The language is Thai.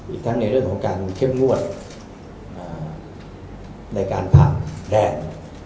อีกทั้งในเรื่องของการเข้มงวดในการผ่าแดด